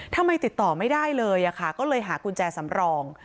ติดต่อไม่ได้เลยค่ะก็เลยหากุญแจสำรอง